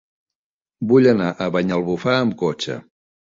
Vull anar a Banyalbufar amb cotxe.